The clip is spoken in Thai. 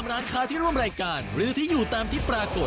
จากการณริกา๓๐นาที